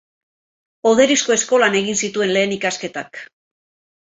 Oderizko eskolan egin zituen lehen ikasketak.